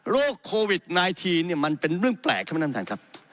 โควิด๑๙เนี่ยมันเป็นเรื่องแปลกครับท่านประธานครับ